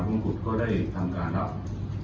ของปรบปรบความปรับของตรวจ